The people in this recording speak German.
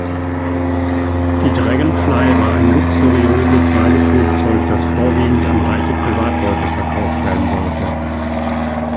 Die Dragonfly war ein luxuriöses Reiseflugzeug, das vorwiegend an reiche Privatleute verkauft werden sollte.